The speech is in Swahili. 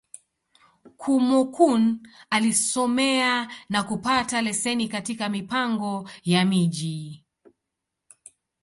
Kúmókụn alisomea, na kupata leseni katika Mipango ya Miji.